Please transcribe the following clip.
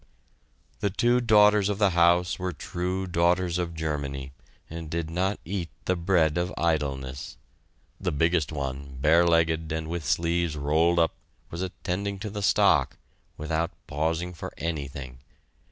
The two daughters of the house were true daughters of Germany and did not eat the bread of idleness; the biggest one, bare legged and with sleeves rolled up, was attending to the stock, without pausing for anything.